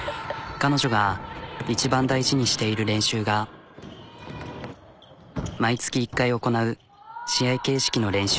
彼女が一番大事にしている練習が毎月１回行なう試合形式の練習。